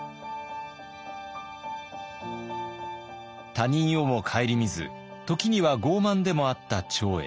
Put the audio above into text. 他人をも顧みず時には傲慢でもあった長英。